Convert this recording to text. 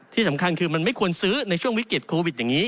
ที่สำคัญคือมันไม่ควรซื้อในช่วงวิกฤตโควิดอย่างนี้